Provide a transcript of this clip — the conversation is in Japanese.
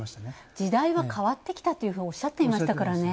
時代が変わってきたというふうにおっしゃっていましたからね。